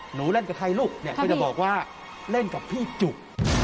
เล่นกับใครลูกเนี่ยก็จะบอกว่าเล่นกับพี่จุก